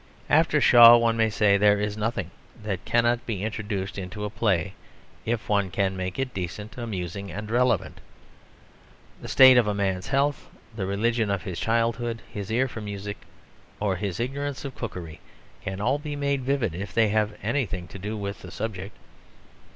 After Shaw, one may say, there is nothing that cannot be introduced into a play if one can make it decent, amusing, and relevant. The state of a man's health, the religion of his childhood, his ear for music, or his ignorance of cookery can all be made vivid if they have anything to do with the subject.